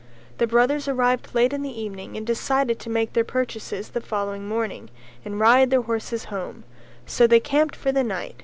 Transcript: The brothers arrived late in the evening and decided to make their purchases the following morning and ride their horses home, so they camped for the night.